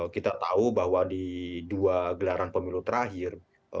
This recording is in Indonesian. kita tahu bahwa di dua gelaran pemilu terakhir